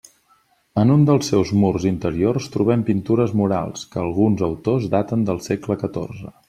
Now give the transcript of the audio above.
En un dels seus murs interiors trobem pintures murals, que alguns autors daten del segle catorze.